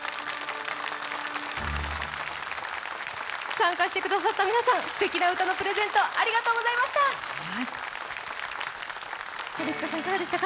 参加してくださった皆さん、すてきな歌のプレゼントありがとうございました。